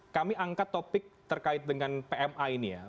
kami angkat topik terkait dengan pma ini ya